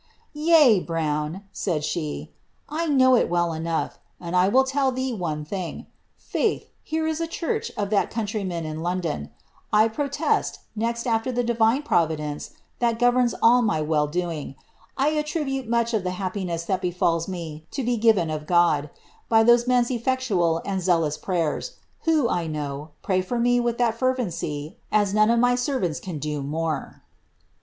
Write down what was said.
" Yea, Brown," said she, " I know it well enough ; and 1 wdl tell ihee one thing. Failh, here is a church of that connlrymen in London; I protest, next after ihe Divine Providence that governs all rav aeli doing, I attribute much of ihe happiness that befalls me to be given of BLIIABBTH. SOS by those men^s effectual and zealous prayers, who, I know, pny te with that fervency, as none of my servants can do more."